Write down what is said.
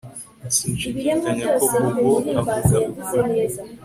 Sinshidikanya ko Bobo avuga ukuri